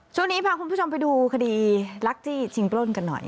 ช่วงนี้พาคุณผู้ชมไปดูคดีลักจี้ชิงปล้นกันหน่อย